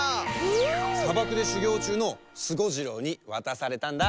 さばくでしゅぎょうちゅうのスゴジロウにわたされたんだ！